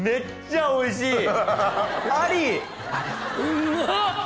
うんまっ！